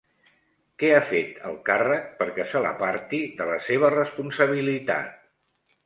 Què ha fet el càrrec perquè se l'aparti de la seva responsabilitat?